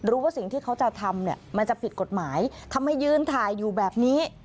รู้ว่าสิ่งที่เขาจะทำเนี่ยมันจะผิดกฎหมายทำไมยืนถ่ายอยู่แบบนี้